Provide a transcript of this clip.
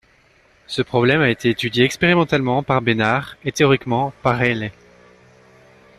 Ce problème a été étudié expérimentalement par Bénard et théoriquement par Rayleigh.